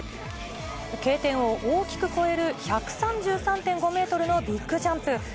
Ｋ点を大きく超える１３３．５メートルのビッグジャンプ。